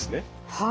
はい。